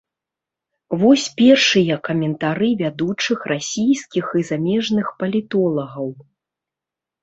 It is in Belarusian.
Вось першыя каментары вядучых расійскіх і замежных палітолагаў.